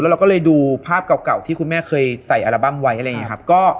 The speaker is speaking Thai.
เราก็เลยดูภาพเก่าที่คุณแม่เคยใส่อัลบั้มไว้อะไรอย่างนี้ครับ